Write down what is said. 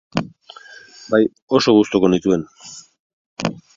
Bai, oso gustuko nituen.